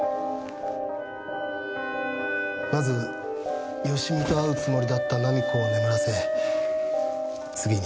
まず芳美と会うつもりだった菜実子を眠らせ次に。